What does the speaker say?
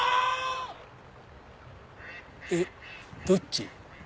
どっち？